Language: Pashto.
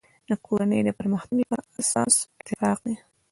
د کورنی د پرمختګ لپاره اساس اتفاق دی.